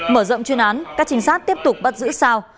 mở rộng chuyên án các trinh sát tiếp tục bắt giữ sao